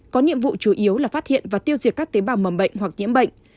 có nhiệm vụ chủ yếu là phát hiện và tiêu diệt các tế bào mầm bệnh hoặc nhiễm bệnh